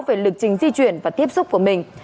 về lịch trình di chuyển và tiếp xúc của mình